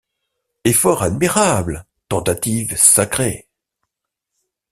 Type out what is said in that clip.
Efforts admirables! tentatives sacrées !